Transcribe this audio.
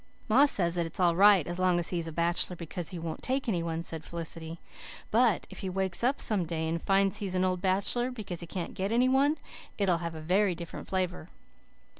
"Ma says that it's all right as long as he is a bachelor because he won't take any one," said Felicity, "but if he wakes up some day and finds he is an old bachelor because he can't get any one it'll have a very different flavour."